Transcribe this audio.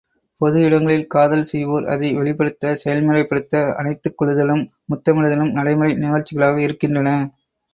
பொது இடங்களில் காதல் செய்வோர் அதை வெளிப்படுத்த, செயல்முறைப்படுத்த அணைத்துக் கொள்ளுதலும் முத்தமிடுதலும் நடைமுறை நிகழ்ச்சிகளாக இருக்கின்றன.